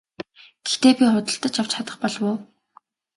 Гэхдээ би худалдаж авч чадах болов уу?